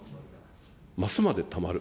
ますまでたまる。